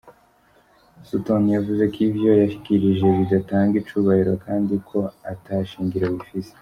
Sutton yavuze ko ivyo yashikirije 'bidatanga icubahiro' kandi ko 'ata shingiro bifise'.